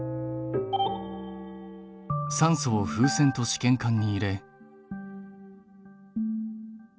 酸素を風船と試験管に入れ。